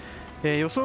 予想